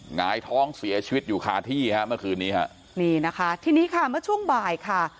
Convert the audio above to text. หงายท้องเสียชีวิตอยู่คาที่ฮะเมื่อคืนนี้ฮะนี่นะคะทีนี้ค่ะเมื่อช่วงบ่ายค่ะ